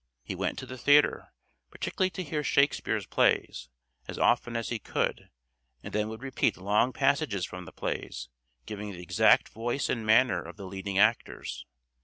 He went to the theatre, particularly to hear Shakespeare's plays, as often as he could, and then would repeat long passages from the plays, giving the exact voice and manner of the leading actors.